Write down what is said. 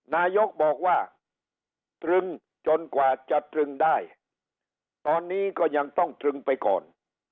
นายกบอกว่าตรึงจนกว่าจะตรึงได้ตอนนี้ก็ยังต้องตรึงไปก่อน